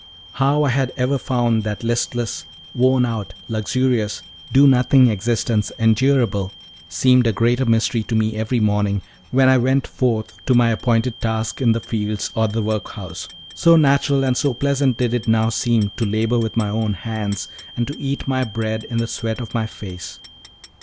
How I had ever found that listless, worn out, luxurious, do nothing existence endurable, seemed a greater mystery every morning, when I went forth to my appointed task in the fields or the workhouse, so natural and so pleasant did it now seem to labor with my own hands, and to eat my bread in the sweat of my face.